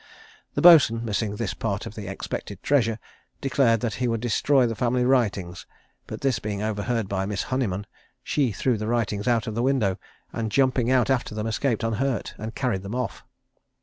The boatswain missing this part of the expected treasure, declared that he would destroy the family writings; but this being overheard by Miss Honeyman, she threw the writings out of the window, and, jumping out after them, escaped unhurt and carried them off.